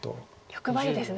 欲張りですね。